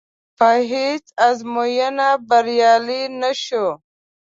په هېڅ ازموینه بریالی نه شو.